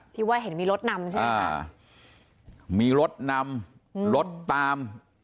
ที่ว่าเห็นมีรถนำใช่ไหมมีรถนำรถตาม